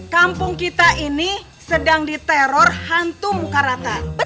kampung kita ini sedang diteror hantu muka rata